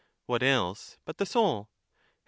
What else but the soul? Her.